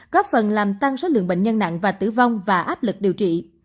góp phần làm tăng số lượng bệnh nhân nặng và tử vong và áp lực điều trị